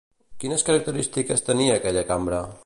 Quines característiques tenia aquella cambra?